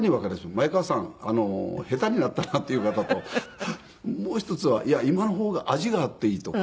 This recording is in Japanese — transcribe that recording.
「前川さん下手になったな」っていう方ともう一つは「今の方が味があっていい」とか。